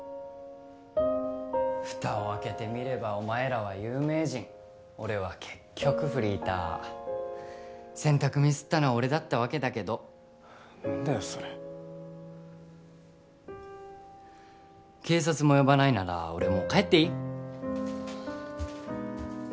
蓋を開けてみればお前らは有名人俺は結局フリーター選択ミスったのは俺だったわけだけど何だよそれ警察も呼ばないなら俺もう帰っていい？